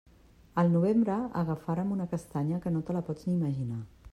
Al novembre agafarem una castanya que no te la pots ni imaginar.